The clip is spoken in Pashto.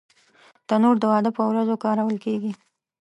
تنور د واده پر ورځو کارول کېږي